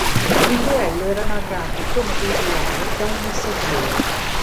Il duello era narrato, come usuale, da un messaggero.